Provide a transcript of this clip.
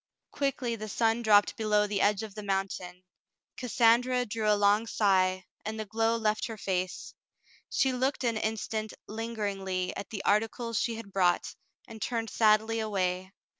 Quickly the sun dropped below the edge of the moun tain. Cassandra drew a long sigh, and the glow left her face. She looked an instant lingeringly at the articles she had brought, and turned sadly away.